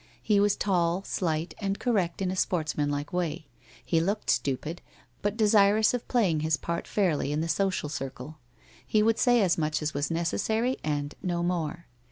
He was tall, slight, and cor rect in a sportsmanlike way. He looked stupid, but de sirous of playing his part fairly in the social circle. He would say as much as was necessary, and no more.